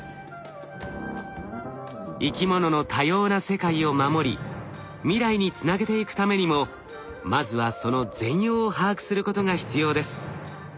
生き物の多様な世界を守り未来につなげていくためにもまずはその全容を把握することが必要です。